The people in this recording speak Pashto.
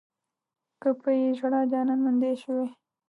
که پۀ ژړا جانان موندی شوی